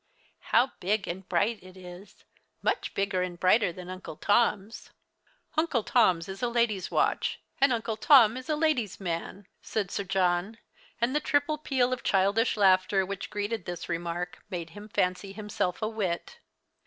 "How big and bright it is much bigger and brighter than Uncle Tom's." "Uncle Tom's is a lady's watch, and Uncle Tom's a lady's man," said Sir John, and the triple peal of childish laughter which greeted this remark made him fancy himself a wit.